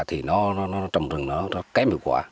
thì nó trồng rừng nó kém hiệu quả